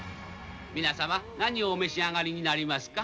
皆様何をお召し上がりになりますか？